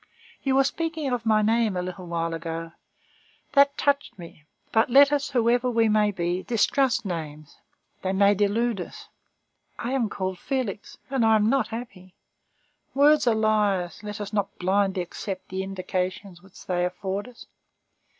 You were speaking of my name a little while ago. That touched me; but let us, whoever we may be, distrust names. They may delude us. I am called Félix, and I am not happy. Words are liars. Let us not blindly accept the indications which they afford us.